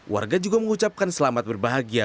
warga juga mengucapkan selamat berbahagia